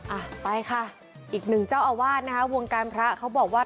อ่ะไปค่ะอีกหนึ่งเจ้าอาวาสนะคะวงการพระเขาบอกว่า